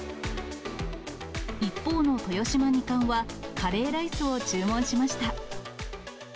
一方の豊島二冠はカレーライスを注文しました。